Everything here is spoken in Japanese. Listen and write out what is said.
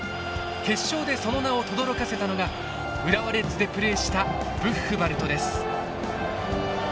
決勝でその名をとどろかせたのが浦和レッズでプレーしたブッフバルトです。